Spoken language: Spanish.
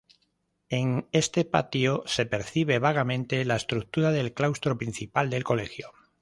En este patio se percibe vagamente la estructura del claustro principal del Colegio.